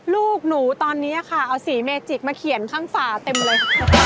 ลูกหนูตอนนี้ค่ะเอาสีเมจิกมาเขียนข้างฝาเต็มเลย